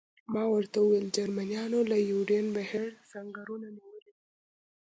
ما ورته وویل: جرمنیانو له یوډین بهر سنګرونه نیولي.